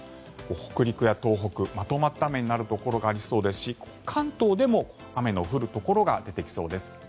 北陸や東北、まとまった雨になるところがありそうですし関東でも雨の降るところが出てきそうです。